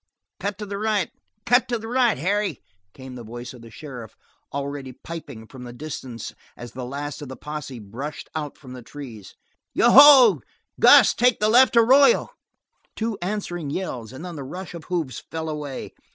"Cut to the right! Cut to the right, Harry!" came the voice of the sheriff, already piping from the distance as the last of the posse brushed out from the trees. "Yo hoi! Gus, take the left arroyo!" Two answering yells, and then the rush of hoofs fell away.